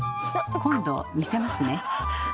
今度見せますね。